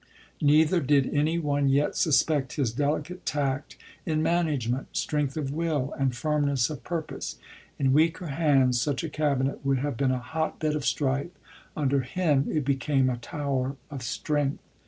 Neither did any ODe yet suspect his delicate tact in management, strength of will, and firmness of purpose. In weaker hands such a Cabinet would have been a hot bed of strife ; under him it became a tower of strength.